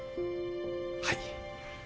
はい。